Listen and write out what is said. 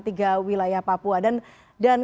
tiga wilayah papua dan